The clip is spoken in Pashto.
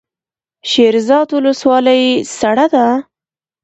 شیرزاد ولسوالۍ سړه ده؟